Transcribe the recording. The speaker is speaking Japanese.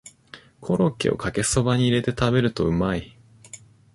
コロッケをかけそばに入れて食べるとうまい